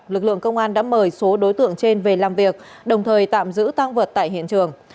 lực lượng công an đã mời số đối tượng trên về làm việc đồng thời tạm giữ tăng vật tại hiện trường